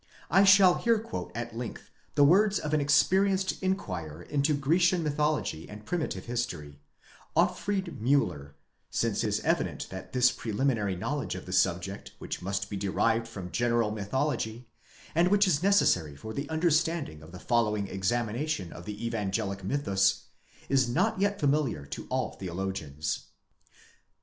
I shall here quote at length the words of an experienced i inquirer into Grecian mythology and primitive history, Otfried Miller, since it is evident that this preliminary knowledge of the subject which must be derived from general mythology, and which is necessary for the understanding of the following ex amination of the evangelic mythus, is not yet familiar to all theologians.